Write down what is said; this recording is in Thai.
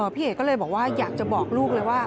พี่เอกก็เลยบอกว่าอยากจะบอกลูกเลยว่า